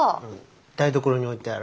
台所に置いてある。